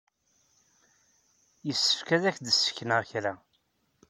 Yessefk ad ak-d-ssekneɣ kra.